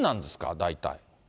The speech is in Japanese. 大体。